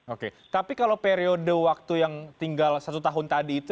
oke tapi kalau periode waktu yang tinggal satu tahun tadi itu